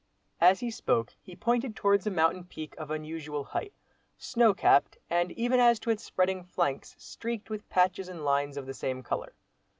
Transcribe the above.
As he spoke he pointed towards a mountain peak of unusual height, snow capped, and even as to its spreading flanks, streaked with patches and lines of the same colour.